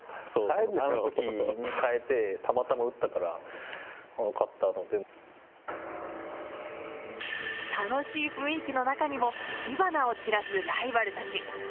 あのときにかえて、たまたま打楽しい雰囲気の中にも火花を散らすライバルたち。